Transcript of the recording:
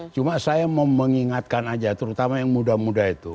cuma saya mau mengingatkan aja terutama yang muda muda itu